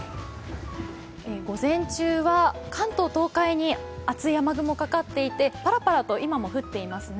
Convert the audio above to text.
午前中は関東、東海に厚い雨雲かかっていてパラパラと今も降っていますね。